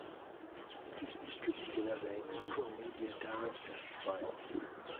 It is distributed as a Macromedia Director file.